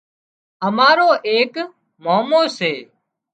امارو ايڪ مامو سي